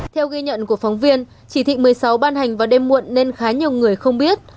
theo ghi nhận của phóng viên chỉ thị một mươi sáu ban hành vào đêm muộn nên khá nhiều người không biết